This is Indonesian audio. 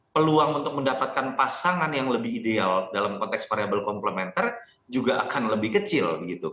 peluang untuk mendapatkan pasangan yang lebih ideal dalam konteks variable komplementer juga akan lebih kecil